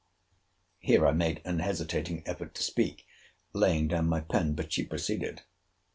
Here I made an hesitating effort to speak, laying down my pen: but she proceeded!